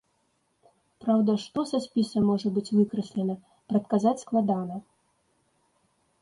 Праўда, што са спіса можа быць выкраслена, прадказаць складана.